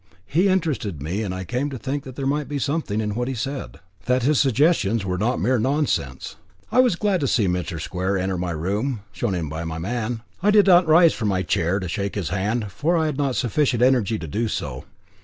He interested me, and I came to think that there might be something in what he said that his suggestions were not mere nonsense. I was glad to see Mr. Square enter my room, shown in by my man. I did not rise from my chair to shake his hand, for I had not sufficient energy to do so.